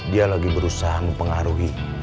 dia lagi berusaha mempengaruhi